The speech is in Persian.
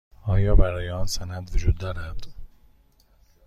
آیا برای آن سند وجود دارد؟